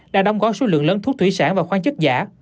đã đóng gói số lượng lớn thuốc thủy sản và khoan chất giả